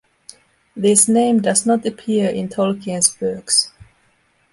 This name does not appear in Tolkien's works.